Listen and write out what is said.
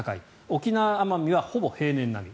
沖縄・奄美はほぼ平年並み。